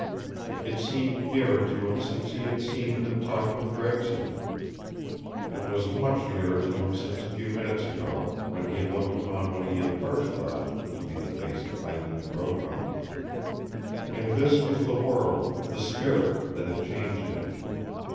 It seemed nearer to him since he had seen and talked with Gregson. It was much nearer to him since a few minutes ago, when he had looked upon what he had first thought to be the face of Eileen Brokaw. And this was the world the spirit that had changed him.